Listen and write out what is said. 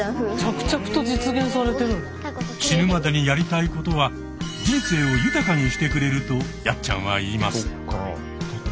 「死ぬまでにやりたいことは人生を豊かにしてくれる」とやっちゃんは言います。